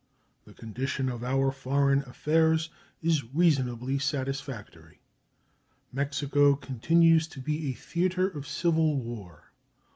The condition of our foreign affairs is reasonably satisfactory. Mexico continues to be a theater of civil war.